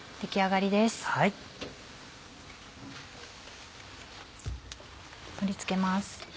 盛り付けます。